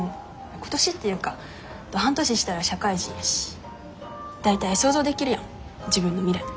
今年っていうかあと半年したら社会人やし大体想像できるやん自分の未来。